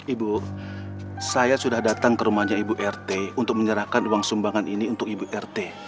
ibu saya sudah datang ke rumahnya ibu rt untuk menyerahkan uang sumbangan ini untuk ibu rt